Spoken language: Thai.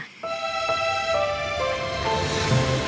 จริงหรือครับ